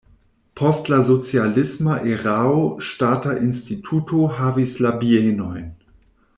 Post la socialisma erao ŝtata instituto havis la bienojn.